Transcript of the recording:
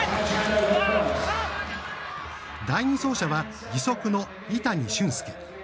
第２走者は義足の井谷俊介。